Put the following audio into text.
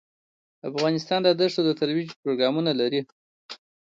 افغانستان د دښتو د ترویج پروګرامونه لري.